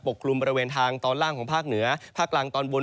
กลุ่มบริเวณทางตอนล่างของภาคเหนือภาคกลางตอนบน